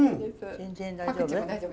全然大丈夫？